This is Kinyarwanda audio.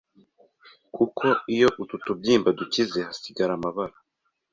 kuko iyo utu tubyimba dukize hasigara amabara.